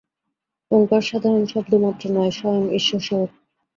ওঙ্কার সাধারণ শব্দমাত্র নয়, স্বয়ং ঈশ্বর-স্বরূপ।